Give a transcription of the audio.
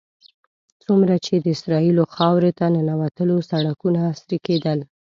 څومره چې د اسرائیلو خاورې ته ننوتلو سړکونه عصري کېدل.